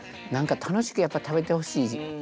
なんか楽しくやっぱり食べてほしい。